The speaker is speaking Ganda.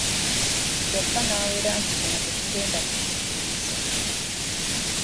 Kyokka n’awera nti kino tagenda kukikkiriza.